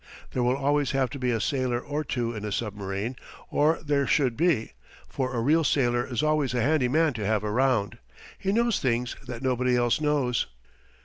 There will always have to be a sailor or two in a submarine; or there should be, for a real sailor is always a handy man to have around he knows things that nobody else knows.